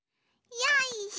よいしょ。